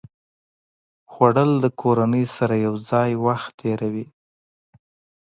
خوړل د کورنۍ سره یو ځای وخت تېروي